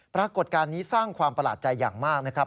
ปรากฏการณ์นี้สร้างความประหลาดใจอย่างมากนะครับ